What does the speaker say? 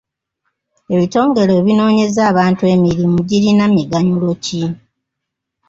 Ebitongole ebinoonyeza abantu emirimu girina miganyulo ki?